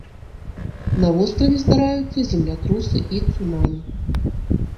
На востраве здараюцца землятрусы і цунамі.